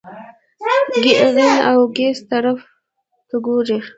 ګېڼ او ګس طرف ته ګوره !